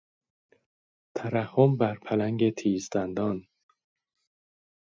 ترحم بر پلنگ تیز دندان...